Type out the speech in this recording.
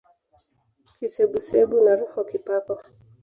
Kisebusebu na roho kipapo